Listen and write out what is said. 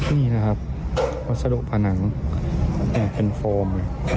นี่นะครับวัสดุผนังแตกเป็นโฟมเลย